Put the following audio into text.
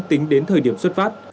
tính đến thời điểm xuất phát